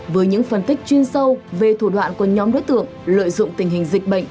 với những phân tích chuyên sâu về thủ đoạn của nhóm đối tượng lợi dụng tình hình dịch bệnh